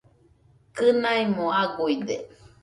Kɨnaimo aguide